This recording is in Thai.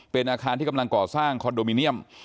เป็นอาคารที่กำลังก่อสร้างคอนโดมิเนียม